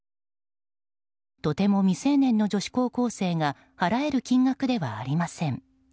とても未成年の女子高校生が払える金額ではありません。